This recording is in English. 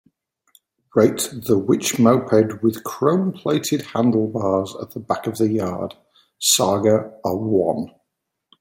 rate the Which Moped with Chrome-plated Handlebars at the Back of the Yard? saga a one